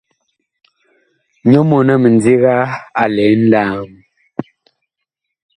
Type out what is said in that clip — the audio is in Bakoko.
Nyɔ mɔɔn a mindiga a lɛ nlaam.